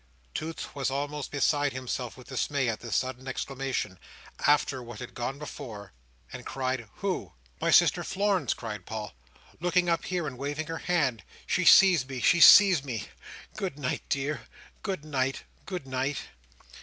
Toots was almost beside himself with dismay at this sudden exclamation, after what had gone before, and cried "Who?" "My sister Florence!" cried Paul, "looking up here, and waving her hand. She sees me—she sees me! Good night, dear, good night, good night."